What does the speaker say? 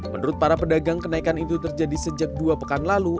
menurut para pedagang kenaikan itu terjadi sejak dua pekan lalu